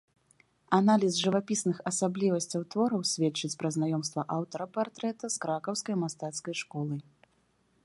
Аналіз жывапісных асаблівасцяў твора сведчыць пра знаёмства аўтара партрэта з кракаўскай мастацкай школай.